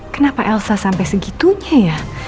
kenapa elsa sampai segitunya ya